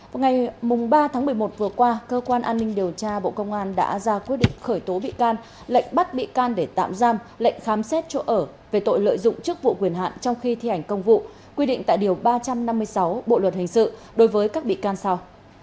vào ngày ba tháng một mươi một vừa qua cơ quan an ninh điều tra bộ công an đã ra quyết định khởi tố bị can lệnh bắt bị can để tạm giam lệnh khám xét chỗ ở về tội lợi dụng chức vụ quyền hạn trong khi thi hành công vụ quy định tại điều ba trăm năm mươi sáu bộ luật hình sự đối với các bị can sau